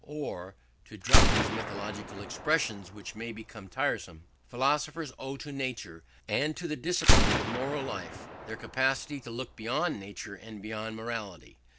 Or (to drop these mythological expressions which may become tiresome) philosophers owe to nature and to the discipline of moral life their capacity to look beyond nature and beyond morality.